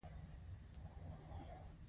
پلار د کور چت دی